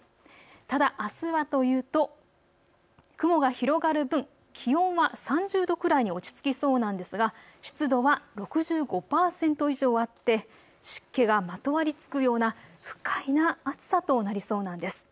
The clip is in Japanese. ただ、あすはというと雲が広がる分、気温は３０度くらいに落ち着きそうなんですが湿度は６５％以上あって湿気がまとわりつくような不快な暑さとなりそうなんです。